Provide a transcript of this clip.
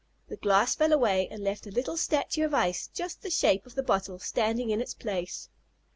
The glass fell away, and left a little statue of ice, just the shape of the bottle, standing in its place.